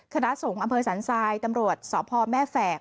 คณะสงทร์อำเภอสรรไซค์ตำรวจศาพทย์ภพแม่แฝก